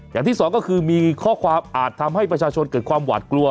อย่างที่สองก็คือมีข้อความอาจทำให้ประชาชนเกิดความหวาดกลัว